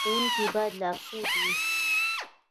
ښوونکی باید لارښود وي